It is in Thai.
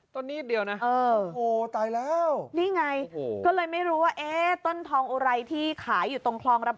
ต้นนี้เดียวนะโอ้โฮตายแล้วนี่ไงก็เลยไม่รู้ว่าต้นทองอุไรที่ขายอยู่ตรงคลอง